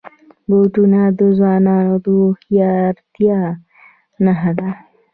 بوټونه د ځوانانو د هوښیارتیا نښه ده.